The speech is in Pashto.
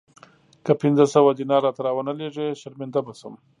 که پنځه سوه دیناره راته را ونه لېږې شرمنده به شم.